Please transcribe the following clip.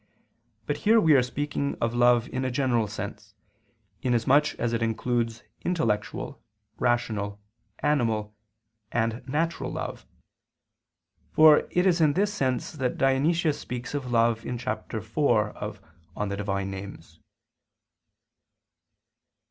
But here we are speaking of love in a general sense, inasmuch as it includes intellectual, rational, animal, and natural love: for it is in this sense that Dionysius speaks of love in chapter iv of _De Divinis Nominibus.